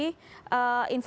terima kasih pak